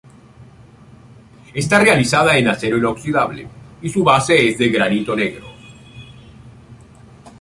Está realizada en acero inoxidable y su base es de granito negro.